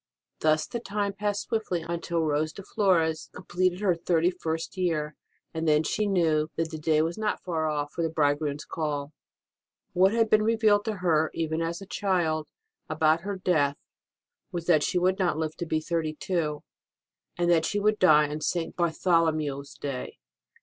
Thus the time passed swiftly on till Rose de Flores completed her thirty first year, and then she knew that the day was not far off for the Bridegroom s call. What had been revealed to her, even as a child, about her death was that she would not live to be thirty two, and that she would die on St. Bartholomew s Day.